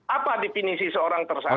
apa definisi seorang tersangka